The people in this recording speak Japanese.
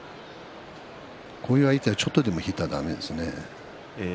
こういう相手はちょっとでも引いたらだめですね。